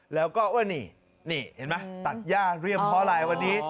แล้วก็นี่นี่เห็นไหมตัดย่าเรียมเพราะอะไรวันนี้